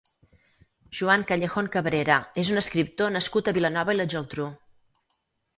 Joan Callejón Cabrera és un escriptor nascut a Vilanova i la Geltrú.